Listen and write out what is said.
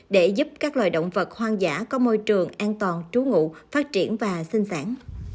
để giúp các loài động vật hoang dã có môi trường an toàn trú ngụ phát triển và sinh sản